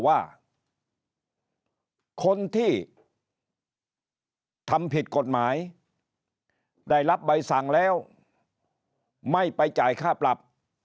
ว่าคนที่ทำผิดกฎหมายได้รับใบสั่งแล้วไม่ไปจ่ายค่าปรับ